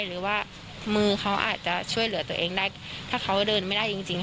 หรือว่ามือเขาอาจจะช่วยเหลือตัวเองได้ถ้าเขาเดินไม่ได้จริงจริง